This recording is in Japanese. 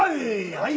はい！